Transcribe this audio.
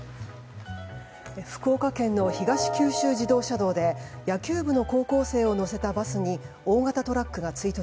福岡県の東九州自動車道で野球部の高校生を乗せたバスに大型トラックが追突。